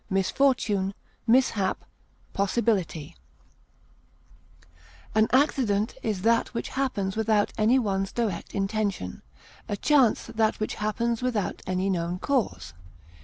chance, hap, misadventure, An accident is that which happens without any one's direct intention; a chance that which happens without any known cause.